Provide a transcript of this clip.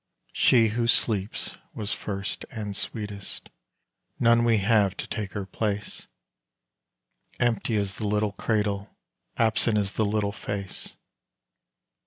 She who sleeps was first and sweetest none we have to take her place; Empty is the little cradle absent is the little face.